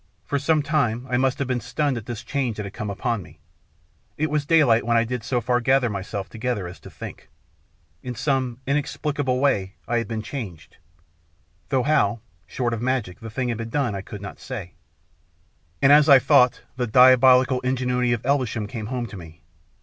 For some time I must have been stunned at this change that had come upon me. It was daylight when I did so far gather myself together as to think. In some inexplicable way I had been changed, though STORY OF THE LATE MR. ELVESHAM 65 how, short of magic, the thing had been done, I could not say. And as I thought, the diabolical ingenuity of Elvesham came home to me.